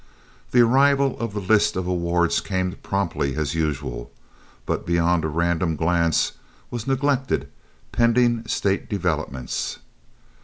The arrival of the list of awards came promptly as usual, but beyond a random glance was neglected pending state developments.